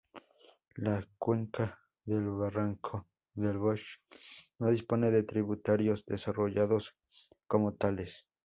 La cuenca del barranco del Bosch no dispone de tributarios desarrollados como tales.